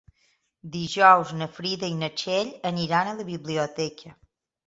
Dijous na Frida i na Txell aniran a la biblioteca.